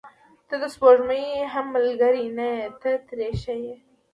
• ته د سپوږمۍ هم ملګرې نه یې، ته ترې ښه یې.